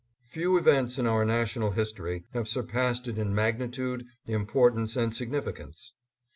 Few events in our national history have surpassed it in magnitude, importance and significance.